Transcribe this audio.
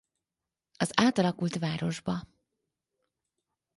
Az átalakult városba.